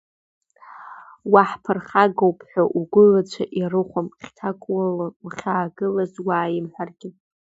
Уаҳԥырхагоуп ҳәа угәылацәа ирухуам, хьҭак улалан уахьаагылаз уааимҳәаргьы.